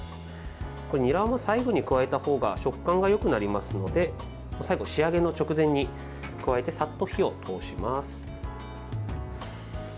にらも最後に加えたほうが食感がよくなりますので最後、仕上げの直前に加えてさっと火を通します。